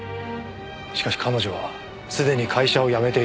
しかし彼女はすでに会社を辞めていて。